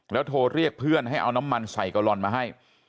โทรเรียกเพื่อนให้เอาน้ำมันใส่กะลอนมาให้